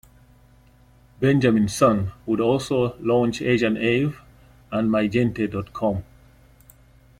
Benjamin Sun would also launch AsianAve and MiGente dot com.